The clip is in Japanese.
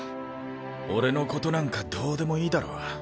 俺のことなんかどうでもいいだろ。